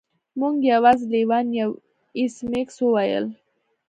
موږ یوازې لیوان یو ایس میکس وویل